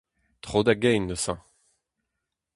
Tro da gein neuze.